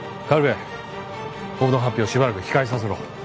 軽部報道発表はしばらく控えさせろ。